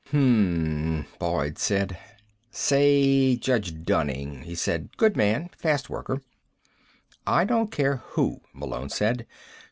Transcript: "Hm m m," Boyd said. "Say Judge Dunning," he said. "Good man. Fast worker." "I don't care who," Malone said.